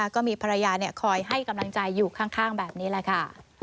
ก็มีภรรยาคอยให้กำลังใจอยู่ข้างแบบนี้แหละค่ะ